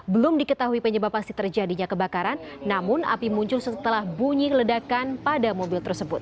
belum diketahui penyebab pasti terjadinya kebakaran namun api muncul setelah bunyi ledakan pada mobil tersebut